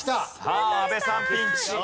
さあ阿部さんピンチ。